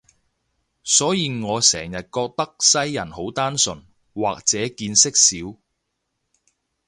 所以我成日覺得西人好單純，或者見識少